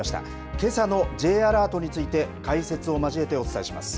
けさのＪアラートについて解説を交えてお伝えします。